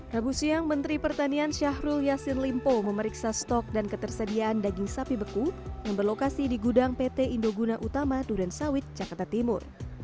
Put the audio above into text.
rabu siang menteri pertanian syahrul yassin limpo memeriksa stok dan ketersediaan daging sapi beku yang berlokasi di gudang pt indoguna utama duren sawit jakarta timur